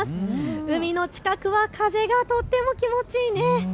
海の近くは風がとっても気持ちいいね。